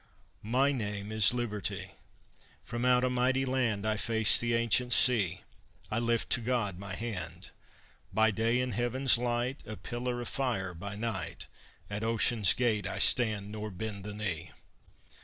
"My name is Liberty! From out a mighty land I face the ancient sea, I lift to God my hand; By day in Heaven's light, A pillar of fire by night, At ocean's gate I stand Nor bend the knee.